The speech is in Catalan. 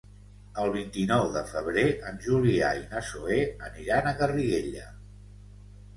El vint-i-nou de febrer en Julià i na Zoè aniran a Garriguella.